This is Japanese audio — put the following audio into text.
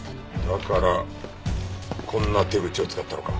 だからこんな手口を使ったのか。